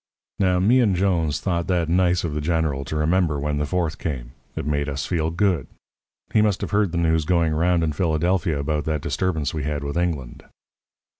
"Now, me and Jones thought that nice of the General to remember when the Fourth came. It made us feel good. He must have heard the news going round in Philadelphia about that disturbance we had with England.